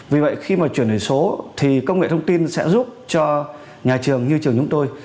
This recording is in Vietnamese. vì vậy khi mà chuyển đổi số thì công nghệ thông tin sẽ giúp cho nhà trường như trường chúng tôi